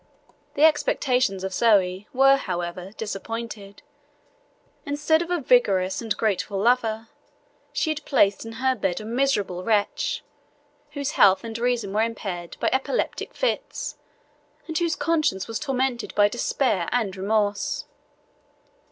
The expectations of Zoe were, however, disappointed: instead of a vigorous and grateful lover, she had placed in her bed a miserable wretch, whose health and reason were impaired by epileptic fits, and whose conscience was tormented by despair and remorse.